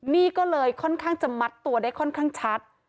นี่ก็เลยค่อนข้างจะมัดตัวได้ค่อนข้างชัด